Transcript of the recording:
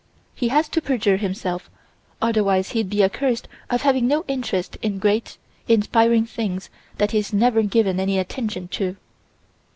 He has to perjure himself: otherwise he'd be accused of having no interest in great, inspiring things that he's never given any attention to.